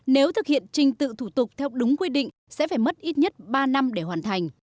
nếu thực hiện trình tự thủ tục theo đúng quy định sẽ phải mất ít nhất ba năm để hoàn thành